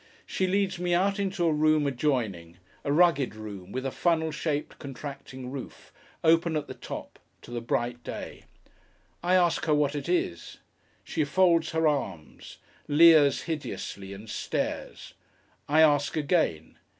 She leads me out into a room adjoining—a rugged room, with a funnel shaped, contracting roof, open at the top, to the bright day. I ask her what it is. She folds her arms, leers hideously, and stares. I ask again.